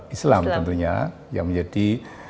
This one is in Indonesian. islam tentunya yang menjadi